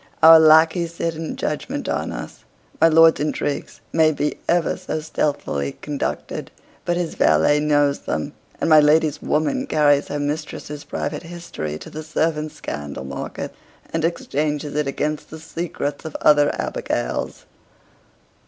Our lackeys sit in judgment on us. My lord's intrigues may be ever so stealthily conducted, but his valet knows them; and my lady's woman carries her mistress's private history to the servants' scandal market, and exchanges it against the secrets of other abigails.